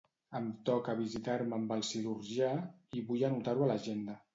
Em toca visitar-me amb el cirurgià i vull anotar-ho a l'agenda.